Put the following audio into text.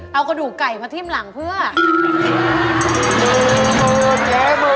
เอากระดูกไก่มาทิ้มหลังเพื่อ